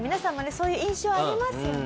そういう印象ありますよね。